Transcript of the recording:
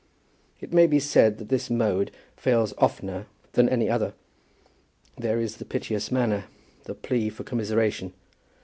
It may be said that this mode fails oftener than any other. There is the piteous manner, the plea for commiseration.